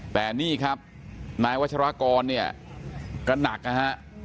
แต่นี่ครับนายวัชรากรก็หนักอ่ะฮะ